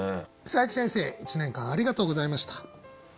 佐伯先生１年間ありがとうございました。